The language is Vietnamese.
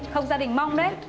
không gia đình mong đấy